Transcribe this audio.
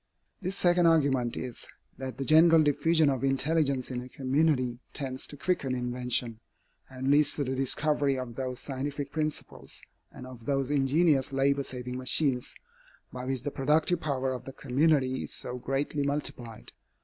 This second argument is, that the general diffusion of intelligence in a community tends to quicken invention, and leads to the discovery of those scientific principles and of those ingenious labor saving machines, by which the productive power of the community is so greatly multiplied.